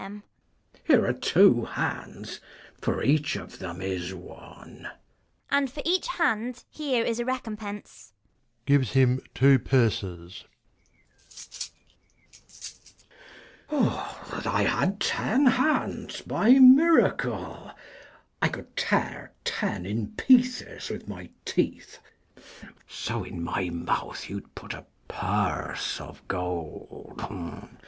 Mess. Here are two hands, for each of them is one. Ragan. And for each hand here is a recompense. [Gives him two purses. Mess. Oh, that I had ten hands by miracle ! I could tear ten in pieces with my teeth, 35 So in my mouth you'ld put a purse of gold.